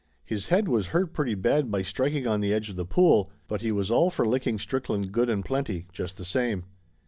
His head was hurt pretty bad by striking on the edge of the pool, but he was all for licking Strickland good and plenty, just the same."